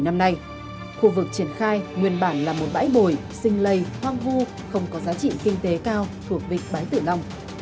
năm nay khu vực triển khai nguyên bản là một bãi bồi sinh lây hoang vu không có giá trị kinh tế cao thuộc vịnh bái tử long